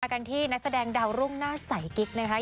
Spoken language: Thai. กันที่นักแสดงดาวรุ่งหน้าใสกิ๊กนะคะ